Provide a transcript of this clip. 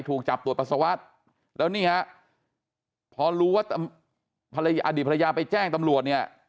ถูกจับตรวจปัสสาวะแล้วนี่ฮะพอรู้ว่าภรรยาอดีตภรรยาไปแจ้งตำรวจเนี่ย